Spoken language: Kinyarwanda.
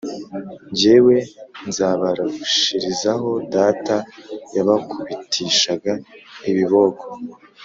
jyewe nzabarushirizaho Data yabakubitishaga ibiboko,